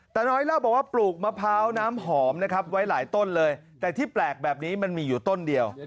น้อยเล่าบอกว่าปลูกมะพร้าวน้ำหอมนะครับไว้หลายต้นเลยแต่ที่แปลกแบบนี้มันมีอยู่ต้นเดียว